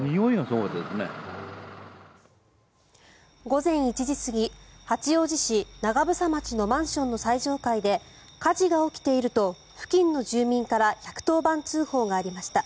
午前１時過ぎ八王子市長房町のマンションの最上階で火事が起きていると付近の住民から１１０番通報がありました。